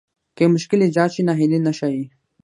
که يو مشکل ايجاد شي ناهيلي نه ښايي.